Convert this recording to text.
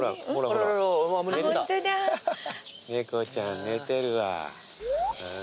猫ちゃん寝てるわ。